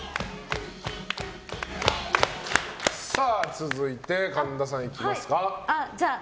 続いて、神田さんいきますか。